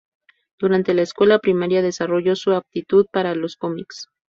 Durante la escuela primaria desarrolló su aptitud para los cómics.